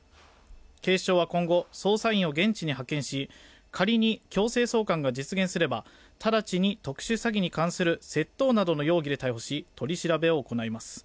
警視庁は今後、捜査員を現地に派遣し、仮に強制送還が実現すればただちに特殊詐欺に関する窃盗などの容疑で逮捕し取り調べを行います。